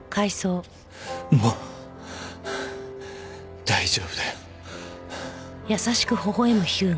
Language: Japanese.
もう大丈夫だよ。